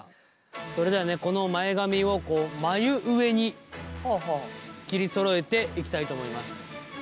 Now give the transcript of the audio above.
それではねこの前髪をこう眉上に切りそろえていきたいと思います。